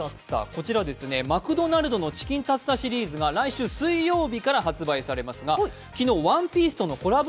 マクドナルドのチキンタツタシリーズが来週水曜日から発売されますが昨日、「ＯＮＥＰＩＥＣＥ」とのコラボ